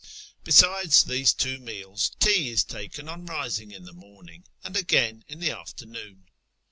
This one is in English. Besides these two meals, tea is taken on risino; in the mornino and ac^ain in the after noon.